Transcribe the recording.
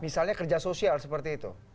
misalnya kerja sosial seperti itu